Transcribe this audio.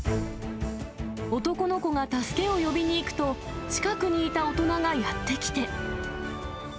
男の子が助けを呼びに行くと、近くにいた大人がやって来て。